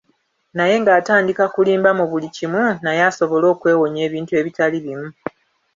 Naye ng'atandika kulimba mu buli kimu naye asobole okwewonya ebintu ebitali bimu.